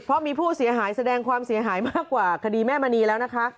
เพราะมีผู้เสียหายแสดงความเสียหายมากกว่าคดีแม่มณีแล้วนะคะ